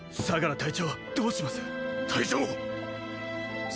隊長。